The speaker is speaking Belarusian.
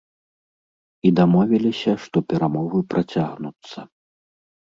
І дамовіліся, што перамовы працягнуцца.